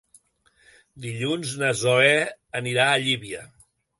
Dilluns na Zoè anirà a Llívia.